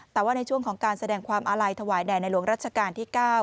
แต่ว่าในช่วงของการแสดงความอาลัยถวายแด่ในหลวงรัชกาลที่๙